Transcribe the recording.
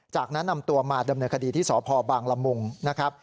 จากนั้นนำตัวมาดำเนินคดีที่สพบางละมุงนะครับ